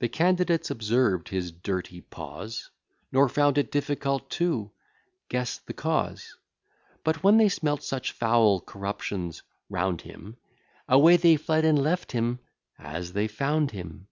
The candidates observed his dirty paws; Nor found it difficult to guess the cause: But, when they smelt such foul corruptions round him, Away they fled, and left him as they found him.